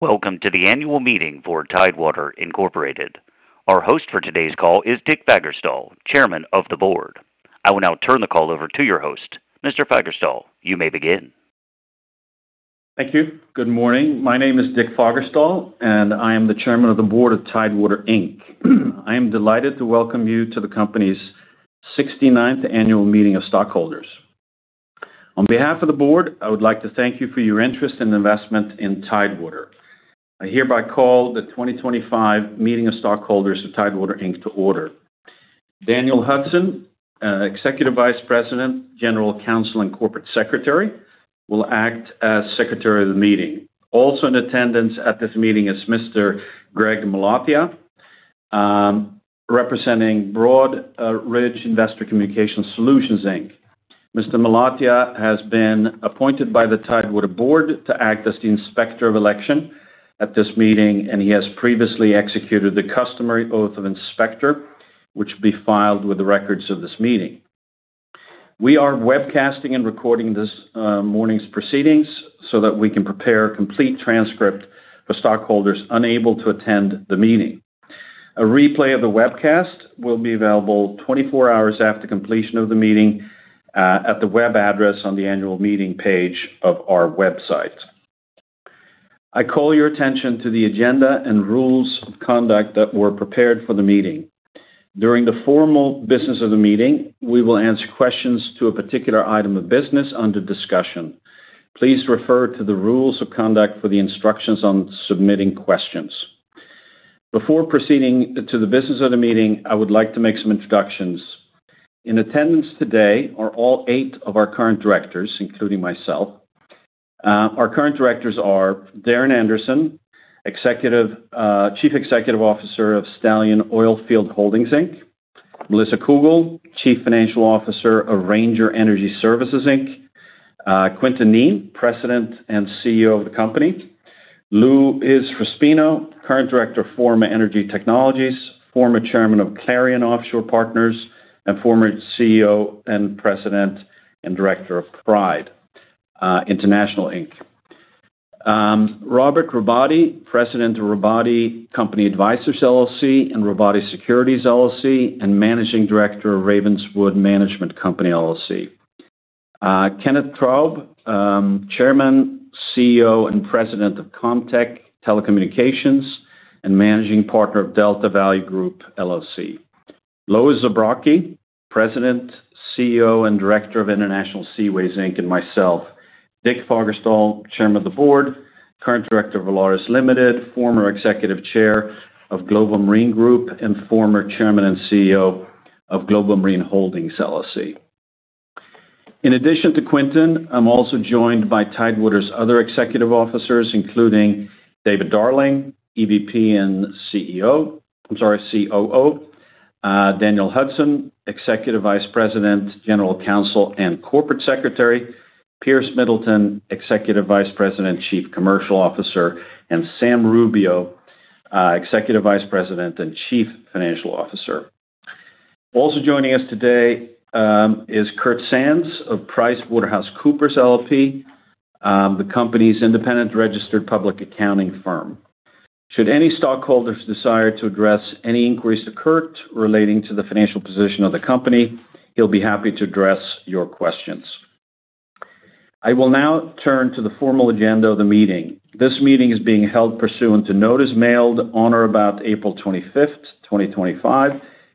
Welcome to the Annual Meeting for Tidewater Incorporated. Our host for today's call is Dick Fagerstal, Chairman of the Board. I will now turn the call over to your host, Mr. Fagerstal. You may begin. Thank you. Good morning. My name is Dick Fagerstal, and I am the Chairman of the Board of Tidewater Inc. I am delighted to welcome you to the company's 69th Annual Meeting of Stockholders. On behalf of the Board, I would like to thank you for your interest and investment in Tidewater. I hereby call the 2025 Meeting of Stockholders of Tidewater to order. Daniel Hudson, Executive Vice President, General Counsel, and Corporate Secretary, will act as secretary of the meeting. Also in attendance at this meeting is Mr. Greg Malapia, representing Broadridge Investor Communication Solutions, Inc. Mr. Malapia has been appointed by the Tidewater Board to act as the Inspector of Election at this meeting, and he has previously executed the customary oath of inspector, which will be filed with the records of this meeting. We are webcasting and recording this morning's proceedings so that we can prepare a complete transcript for stockholders unable to attend the meeting. A replay of the webcast will be available 24 hours after completion of the meeting at the web address on the annual meeting page of our website. I call your attention to the agenda and rules of conduct that were prepared for the meeting. During the formal business of the meeting, we will answer questions to a particular item of business under discussion. Please refer to the rules of conduct for the instructions on submitting questions. Before proceeding to the business of the meeting, I would like to make some introductions. In attendance today are all eight of our current directors, including myself. Our current directors are Darron Anderson, Chief Executive Officer of Stallion Oilfield Holdings Inc, Melissa Cougle, Chief Financial Officer of Ranger Energy Services Inc; Quintin Kneen, President and CEO of the company; Louis Raspino, current Director, Forma Energy Technologies, former Chairman of Clarion Offshore Partners, and former CEO and President and Director of Pride International Inc; Robert Robotti, President of Robotti Company Advisors LLC and Robotti Securities LLC, and Managing Director of Ravenswood Management Company LLC; Kenneth Traub, Chairman, CEO, and President of Comtech Telecommunications and Managing Partner of Delta Valley Group LLC, Lois Zabrocky, President, CEO, and Director of International Seaways Inc; and myself, Dick Fagerstal, Chairman of the Board, current Director of Valaris Limited, former Executive Chair of Global Marine Group, and former Chairman and CEO of Global Marine Holdings LLC. In addition to Quintin, I'm also joined by Tidewater's other executive officers, including David Darling, EVP and COO; Daniel Hudson, Executive Vice President, General Counsel, and Corporate Secretary; Piers Middleton, Executive Vice President, Chief Commercial Officer; and Sam Rubio, Executive Vice President and Chief Financial Officer. Also joining us today is Kurt Sands of PricewaterhouseCoopers LLP, the company's independent registered public accounting firm. Should any stockholders desire to address any inquiries to Kurt relating to the financial position of the company, he'll be happy to address your questions. I will now turn to the formal agenda of the meeting. This meeting is being held pursuant to notice mailed on or about April 25th, 2025,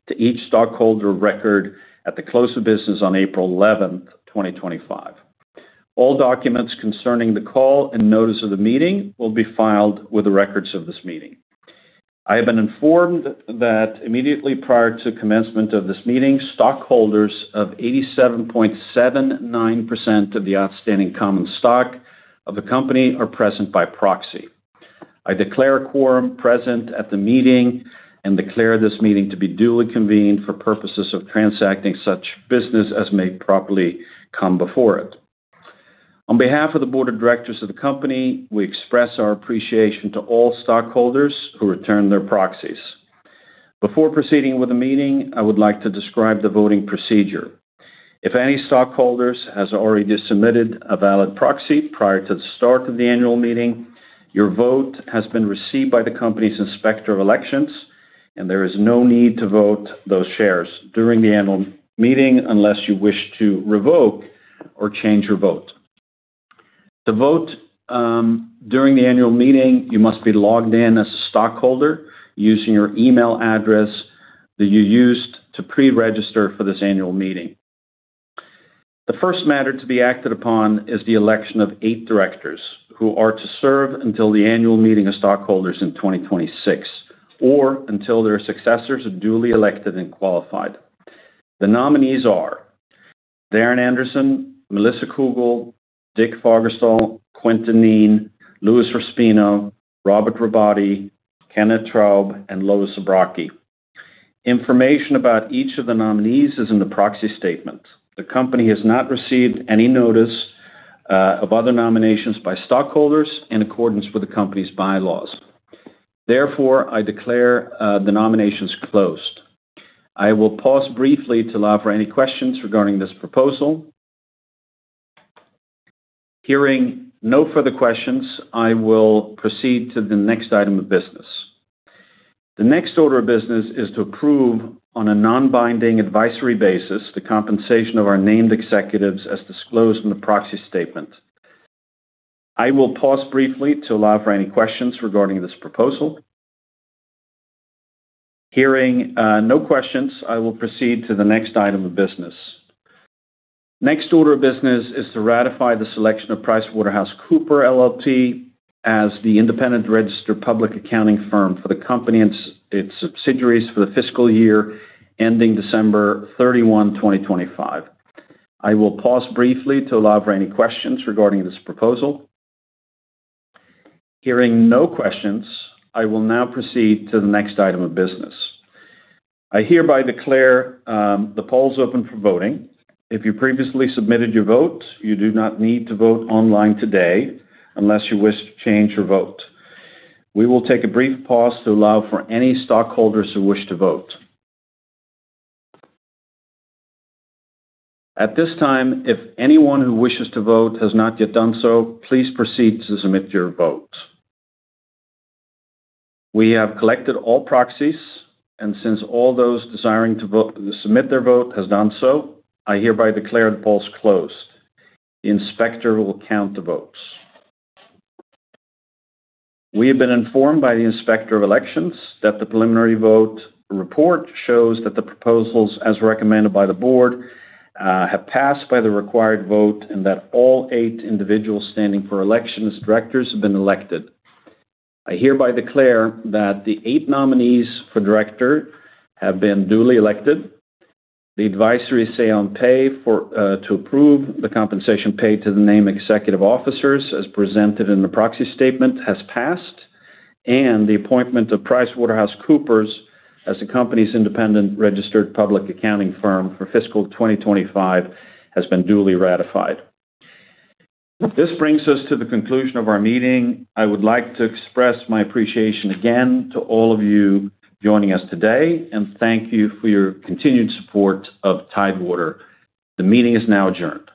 to each stockholder of record at the close of business on April 11th, 2025. All documents concerning the call and notice of the meeting will be filed with the records of this meeting. I have been informed that immediately prior to commencement of this meeting, stockholders of 87.79% of the outstanding common stock of the company are present by proxy. I declare a quorum present at the meeting and declare this meeting to be duly convened for purposes of transacting such business as may properly come before it. On behalf of the Board of Directors of the company, we express our appreciation to all stockholders who return their proxies. Before proceeding with the meeting, I would like to describe the voting procedure. If any stockholders have already submitted a valid proxy prior to the start of the annual meeting, your vote has been received by the company's Inspector of Elections, and there is no need to vote those shares during the annual meeting unless you wish to revoke or change your vote. To vote during the annual meeting, you must be logged in as a stockholder using your email address that you used to pre-register for this annual meeting. The first matter to be acted upon is the election of eight directors who are to serve until the Annual Meeting of Stockholders in 2026 or until their successors are duly elected and qualified. The nominees are Darron Anderson, Melissa Cougle, Dick Fagerstal, Quintin Kneen, Louis Raspino, Robert Robotti, Kenneth Traub, and Lois Zab. Information about each of the nominees is in the proxy statement. The company has not received any notice of other nominations by stockholders in accordance with the company's bylaws. Therefore, I declare the nominations closed. I will pause briefly to allow for any questions regarding this proposal. Hearing no further questions, I will proceed to the next item of business. The next order of business is to approve on a non-binding advisory basis the compensation of our named executives as disclosed in the proxy statement. I will pause briefly to allow for any questions regarding this proposal. Hearing no questions, I will proceed to the next item of business. Next order of business is to ratify the selection of PricewaterhouseCoopers LLP as the independent registered public accounting firm for the company and its subsidiaries for the fiscal year ending December 31, 2025. I will pause briefly to allow for any questions regarding this proposal. Hearing no questions, I will now proceed to the next item of business. I hereby declare the polls open for voting. If you previously submitted your vote, you do not need to vote online today unless you wish to change your vote. We will take a brief pause to allow for any stockholders who wish to vote. At this time, if anyone who wishes to vote has not yet done so, please proceed to submit your vote. We have collected all proxies, and since all those desiring to submit their vote have done so, I hereby declare the polls closed. The inspector will count the votes. We have been informed by the Inspector of Elections that the preliminary vote report shows that the proposals as recommended by the Board have passed by the required vote and that all eight individuals standing for election as directors have been elected. I hereby declare that the eight nominees for director have been duly elected. The advisory say on pay to approve the compensation paid to the named executive officers as presented in the proxy statement has passed, and the appointment of PricewaterhouseCoopers as the company's independent registered public accounting firm for fiscal 2025 has been duly ratified. This brings us to the conclusion of our meeting. I would like to express my appreciation again to all of you joining us today and thank you for your continued support of Tidewater. The meeting is now adjourned.